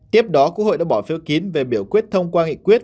tiếp đó quốc hội đã bỏ phiếu kín về biểu quyết thông qua nghị quyết